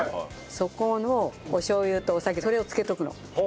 そこをおしょう油とお酒それを漬けとくの。